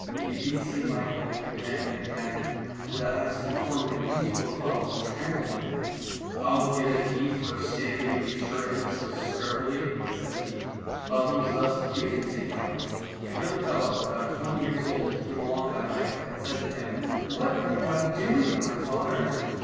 He beat St Michael again and again, and at last he flung him into a puddle and trampled on him. " I'll give it thee for standing me surety so scurvily," said he. While he was thus abusing St Michael, a young fellow about twenty years old came along that way, and said to him, " What art thou doing, my father